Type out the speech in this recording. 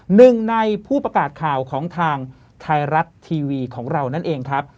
หนึ่งในผู้ประกาศข่าวของทางไทยรัฐทีวีของเรานั่นเองครับ